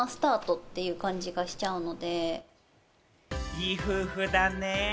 いい夫婦だね。